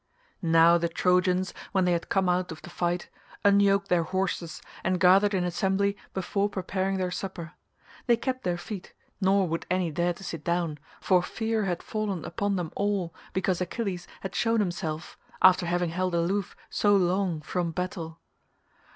Now the Trojans when they had come out of the fight, unyoked their horses and gathered in assembly before preparing their supper. They kept their feet, nor would any dare to sit down, for fear had fallen upon them all because Achilles had shown himself after having held aloof so long from battle.